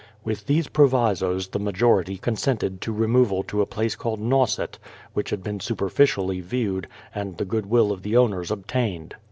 With these provisos the majority consented to removal to a place called Nauset, which had been super ficially viewed, and the good will of the owners obtained.